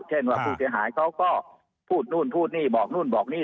ว่าผู้เสียหายเขาก็พูดนู่นพูดนี่บอกนู่นบอกนี่